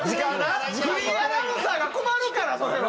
フリーアナウンサーが困るからそれは。